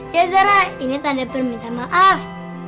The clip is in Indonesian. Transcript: ya zara ini tanda permintaan maaf